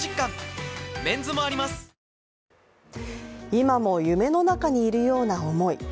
今も夢の中にいるような思い。